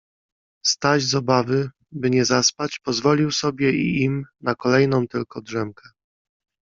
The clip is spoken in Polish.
Staś z obawy, by nie zaspać, pozwolił sobie i im na kolejną tylko drzemkę.